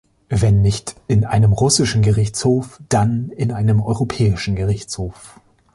Wenn nicht in einem russischen Gerichtshof, dann in einem europäischen Gerichtshof.